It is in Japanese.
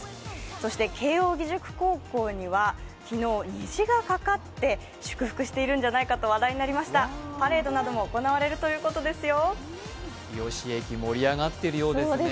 そして慶応義塾高校には、昨日、虹がかかって祝福しているんじゃないかと話題になりましたパレードなども行われるということですよ。